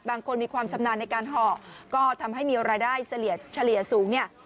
มีความชำนาญในการห่อก็ทำให้มีรายได้เฉลี่ยสูงเนี่ย